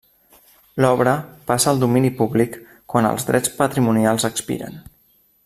L'obra passa al domini públic quan els drets patrimonials expiren.